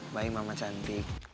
baik mama cantik